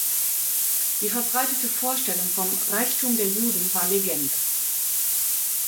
Die verbreitete Vorstellung vom „Reichtum der Juden“ war Legende.